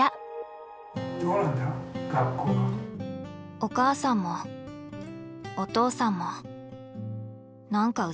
お母さんもお父さんも何かウザかった。